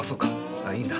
あいいんだ。